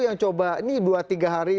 yang coba ini dua tiga hari